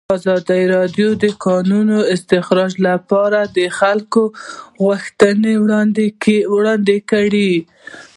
ازادي راډیو د د کانونو استخراج لپاره د خلکو غوښتنې وړاندې کړي.